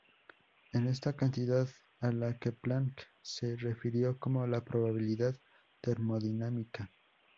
Es esta cantidad a la que Planck se refirió como la probabilidad 'termodinámica'.